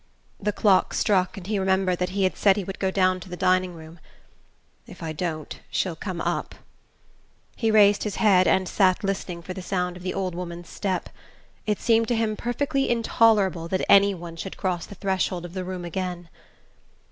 The clock struck, and he remembered that he had said he would go down to the dining room. "If I don't she'll come up " He raised his head and sat listening for the sound of the old woman's step: it seemed to him perfectly intolerable that any one should cross the threshold of the room again.